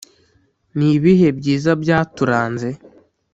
nibihe byiza byaturanze